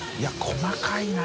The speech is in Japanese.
細かいな。